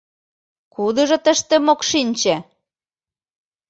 Кудыжо тыште мокшинче?